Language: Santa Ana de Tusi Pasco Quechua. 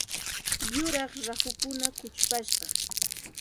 Yuraq rahukuna kuchupashqa.